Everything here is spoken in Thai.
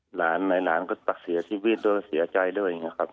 หลานหลายหลานก็ตักเสียชีวิตด้วยเสียใจด้วยเนี่ยครับ